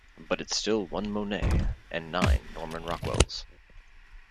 But it's still one Monet and nine Norman Rockwells.